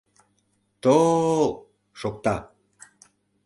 То-ол! — шокта.